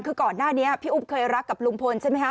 คือก่อนหน้านี้พี่อุ๊บเคยรักกับลุงพลใช่ไหมคะ